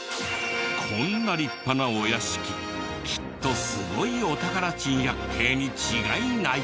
こんな立派なお屋敷きっとすごいお宝珍百景に違いない！